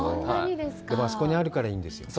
でも、あそこにあるからいいんですよね。